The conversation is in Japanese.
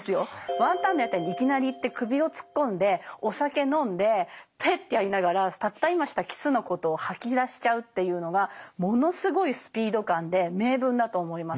ワンタンの屋台にいきなり行って首をつっこんでお酒飲んでペッてやりながらたった今したキスのことを吐き出しちゃうっていうのがものすごいスピード感で名文だと思います。